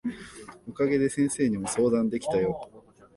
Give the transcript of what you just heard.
お陰で先生にも相談できたよ。